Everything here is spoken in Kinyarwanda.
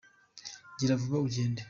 giravuba ugende.